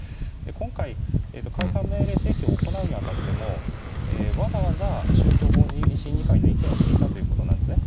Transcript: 今回、解散命令請求を行うに当たってもわざわざ宗教法人審議会の意見を聞いたということなんですね。